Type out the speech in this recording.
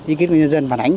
như kết quả nhân dân và đánh